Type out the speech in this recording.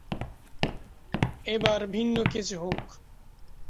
এগুলো বেশি লম্বা হয়না।